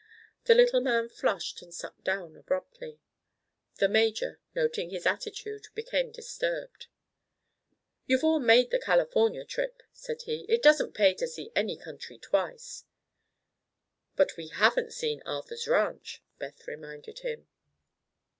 The little man flushed and sat down abruptly. The major, noting his attitude, became disturbed. "You've all made the California trip," said he. "It doesn't pay to see any country twice." "But we haven't seen Arthur's ranch," Beth reminded him.